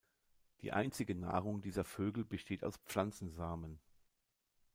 Die einzige Nahrung dieser Vögel besteht aus Pflanzensamen.